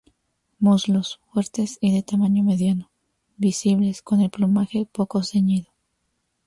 Muslos: fuertes y de tamaño mediano, visibles, con el plumaje poco ceñido.